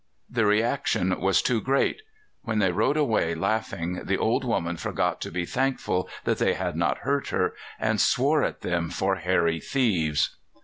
The reaction was too great. When they rode away laughing, the old woman forgot to be thankful that they had not hurt her, and swore at them for hairy thieves.